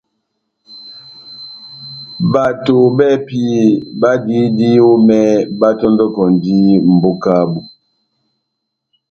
Bato bɛ́hɛ́pi badiyidi omɛ batɔndɔkɔndi mbóka yabu.